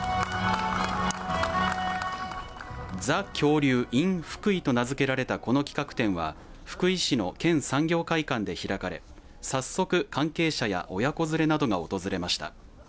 ＴＨＥ恐竜ｉｎ福井と名付けられたこの企画展は福井市の県産業会館で開かれ早速関係者や親子連れなどが訪れました。